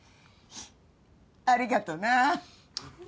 ありがとな。